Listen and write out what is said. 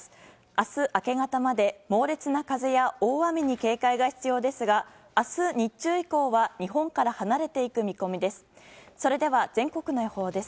明日、明け方まで猛烈な風や大雨に警戒が必要ですが明日、日中以降は日本から離れていく見込みです。